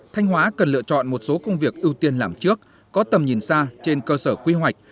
thanh hóa cần lựa chọn một số công việc ưu tiên làm trước có tầm nhìn xa trên cơ sở quy hoạch